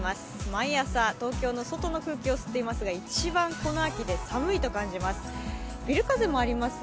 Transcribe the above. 毎朝、東京の外の空気を吸っていますが一番、この秋で寒いと感じています